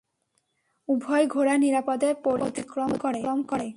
উভয় ঘোড়া নিরাপদে পরিখা অতিক্রম করে।